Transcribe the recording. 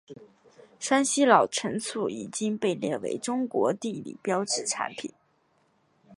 山西老陈醋已经被列为中国地理标志产品。